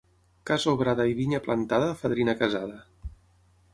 Casa obrada i vinya plantada, fadrina casada.